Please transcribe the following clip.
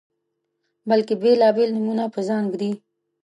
بلکې بیلابیل نومونه په ځان ږدي